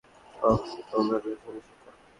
ওহ, তোমরা বোঝোনি সেটা।